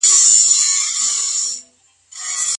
د خلګو بې ځايه پيغورونو ته غوږ مه نيسئ.